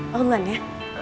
aku duluan ya